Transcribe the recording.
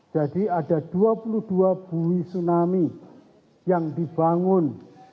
jadi ada dua puluh dua bui tsunami yang dibangun